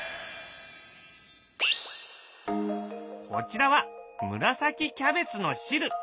こちらは紫キャベツの汁。